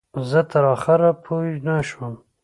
زه تر اخره پوی نشوم.